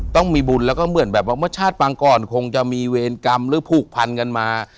ต้องมีบุญแล้วก็เหมือนแบบว่าเมื่อชาติปังก่อนคงจะมีเวรกรรมหรือผูกพันกันมา